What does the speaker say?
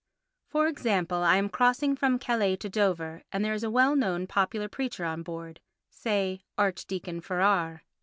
For example; I am crossing from Calais to Dover and there is a well known popular preacher on board, say Archdeacon Farrar.